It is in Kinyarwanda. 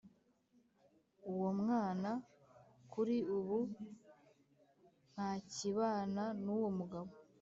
uwo mwana kuri ubu ntakibana n’uwo mugabo